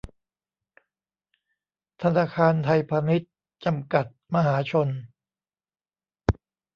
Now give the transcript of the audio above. ธนาคารไทยพาณิชย์ จำกัด มหาชน